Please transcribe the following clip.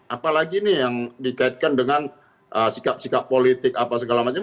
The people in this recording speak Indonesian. apalagi nih yang dikaitkan dengan sikap sikap politik apa segala macam